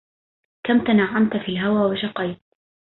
كم تنعمت في الهوى وشقيت